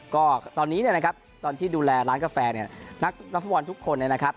ก็ตอนนี้เนี่ยนะครับตอนที่ดูแลร้านกาแฟเนี่ยนักฟุตบอลทุกคนเนี่ยนะครับ